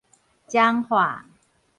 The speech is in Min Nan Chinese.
彰化